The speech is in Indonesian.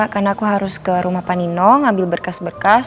karena aku harus ke rumah panino ngambil berkas berkas